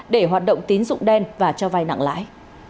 để hoạt động tín dụng đen và cho vai nặng lãi